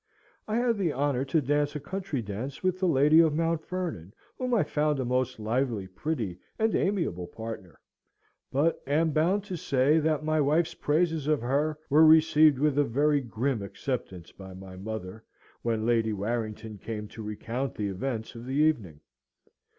I had the honour to dance a country dance with the lady of Mount Vernon, whom I found a most lively, pretty, and amiable partner; but am bound to say that my wife's praises of her were received with a very grim acceptance by my mother, when Lady Warrington came to recount the events of the evening.